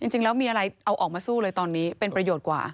จริงแล้วมีอะไรเอาออกมาสู้เลยตอนนี้เป็นประโยชน์กว่า